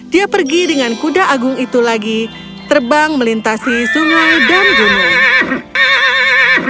dia pergi dengan kuda agung itu lagi terbang melintasi sungai dan gunung